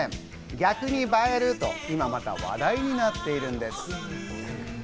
逆に映えると今、また話題になっているんです。